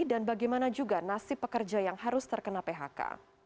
dan bagaimana juga nasib pekerja yang harus terkena phk